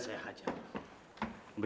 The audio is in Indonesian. saya merap elles sendiri